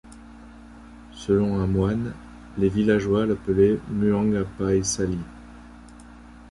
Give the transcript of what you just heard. Selon un moine, les villageois l'appelait Muang Apai Sali.